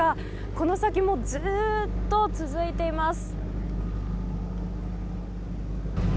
この先もずっと続いています。